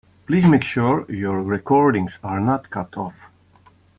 Please make sure your recordings are not cut off.